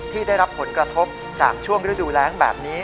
ที่ได้รับผลกระทบจากช่วงฤดูแรงแบบนี้